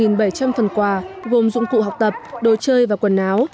hơn một bảy trăm linh phần quà gồm dụng cụ học tập đồ chơi và quần áo